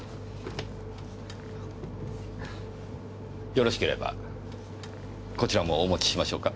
よろしければこちらもお持ちしましょうか？